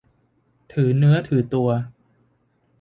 ถือเนื้อถือตัว